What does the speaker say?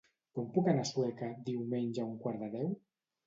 Com puc anar a Sueca diumenge a un quart de deu?